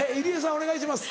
お願いします。